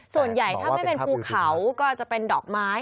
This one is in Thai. ส่วนใหญ่ถ้าไม่เป็นภูเขาก็จะเป็นดอกไม้